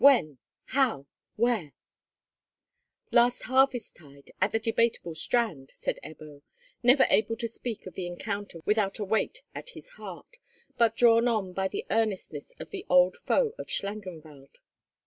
When—how—where?" "Last harvest tide—at the Debateable Strand," said Ebbo, never able to speak of the encounter without a weight at his heart, but drawn on by the earnestness of the old foe of Schlangenwald.